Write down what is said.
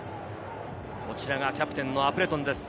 キャプテンのアプレトンです。